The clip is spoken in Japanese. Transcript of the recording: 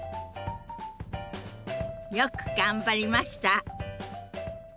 よく頑張りました！